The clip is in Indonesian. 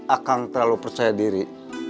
akang terlalu percaya diri